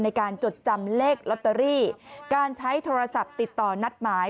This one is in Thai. จดจำเลขลอตเตอรี่การใช้โทรศัพท์ติดต่อนัดหมาย